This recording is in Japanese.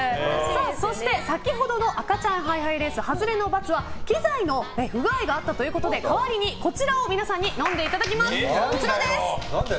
そして、先ほどの赤ちゃんハイハイレース外れの罰は機材の不具合があったということで代わりに、こちらを皆さんに飲んでいただきます。